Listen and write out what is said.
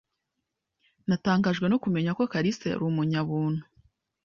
Natangajwe no kumenya ko Karisa yari umunyabuntu.